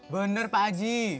bener pak aji